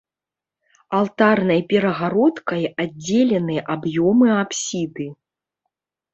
Алтарнай перагародкай аддзелены аб'ёмы апсіды.